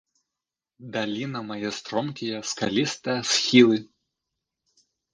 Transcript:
Даліна мае стромкія, скалістыя схілы.